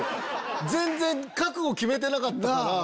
全然覚悟決めてなかったから。